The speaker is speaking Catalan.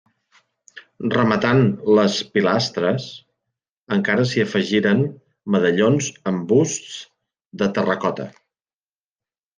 Rematant les pilastres, encara s'hi afegiren medallons amb busts de terracota.